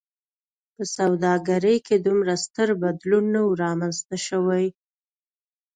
په سوداګرۍ کې دومره ستر بدلون نه و رامنځته شوی.